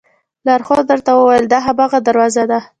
لارښود راته وویل دا هماغه دروازه ده.